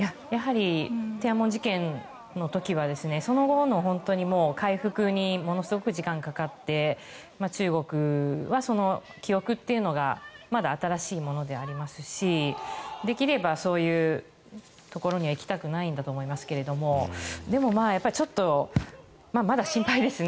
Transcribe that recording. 天安門事件の時はその後の回復にものすごく時間がかかって中国はその記憶というのがまだ新しいものでありますしできれば、そういうところには行きたくないんだとは思いますがでも、ちょっとまだ心配ですね。